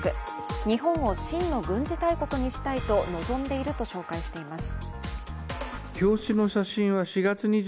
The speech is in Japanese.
日本を真の軍事大国にしたいと望んでいると紹介しています。